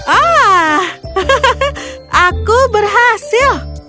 ah aku berhasil